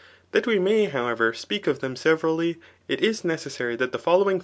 That we may, however,, spesk of them severally, it is necessary that the following Arist.